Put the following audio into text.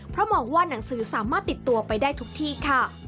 เพราะมองว่าหนังสือสามารถติดตัวไปได้ทุกที่ค่ะ